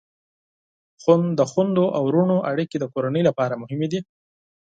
د خویندو او ورونو اړیکې د کورنۍ لپاره مهمې دي.